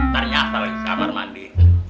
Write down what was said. ntar nyata lagi samar mandi